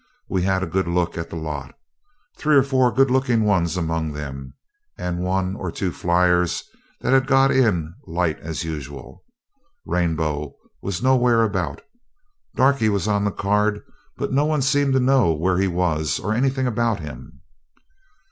We had a good look at the lot. Three or four good looking ones among them, and one or two flyers that had got in light as usual. Rainbow was nowhere about. Darkie was on the card, but no one seemed to know where he was or anything about him.